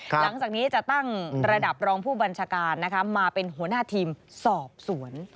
หลังจากนี้จะตั้งระดับรองผู้บัญชาการมาเป็นหัวหน้าทีมสอบสวน